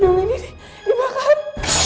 gedung ini dibakar